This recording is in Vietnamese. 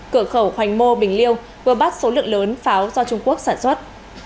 cửa khẩu hoành mô bình liêu vừa bắt số lượng lớn pháo do trung quốc sản xuất